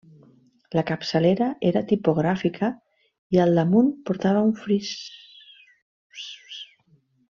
La capçalera era tipogràfica, i al damunt portava un fris.